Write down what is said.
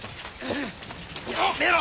やめろ！